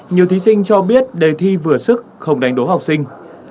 nhiều thí sinh cho biết đề thi vừa sức không đánh đố học sinh